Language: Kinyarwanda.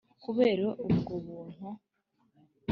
kubera ubwo buntu